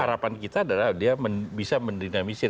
harapan kita adalah dia bisa mendinamisir